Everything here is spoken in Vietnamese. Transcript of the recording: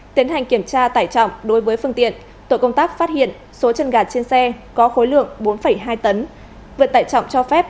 tiến hành kiểm tra tải trọng đối với phương tiện tội công tác phát hiện số chân gà trên xe có khối lượng bốn hai tấn vượt tải trọng cho phép bảy mươi một